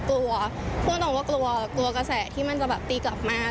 พูดถึงว่ากลัวกลัวกระแสที่มันจะตีกลับมา